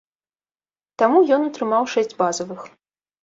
Таму ён атрымаў шэсць базавых.